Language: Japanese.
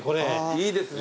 いいですね。